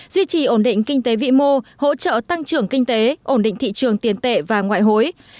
duy trì ổn định kinh tế vĩ mô hỗ trợ tăng trưởng kinh tế ổn định thị trường tiền tệ và ngoại hối